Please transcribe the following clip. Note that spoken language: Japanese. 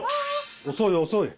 遅い遅い。